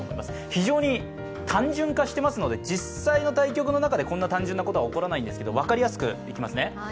非常に単純化してますので、実際の対局の中でこんな単純なことは起こらないんですがわかりやすくいきますね。